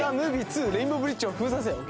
レインボーブリッジを封鎖せよ！』。